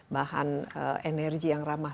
bahan energi yang ramah